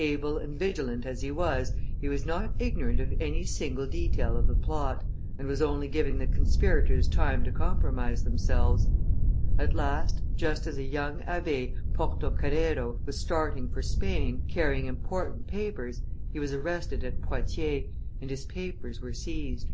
Able and vigilant as he was, he was not ignorant of any single detail of the plot, and was only giving the conspirators time to compromise themselves. At last, just as a young abbe, Porto Carrero, was starting for Spain, carrying important papers, he was arrested at Poitiers, and his papers were seized.